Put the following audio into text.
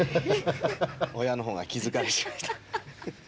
親のほうが気疲れしました。